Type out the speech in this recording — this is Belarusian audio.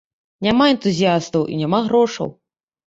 Няма энтузіястаў, і няма грошаў.